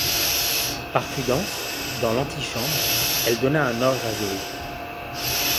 Par prudence, dans l'antichambre, elle donna un ordre à Zoé.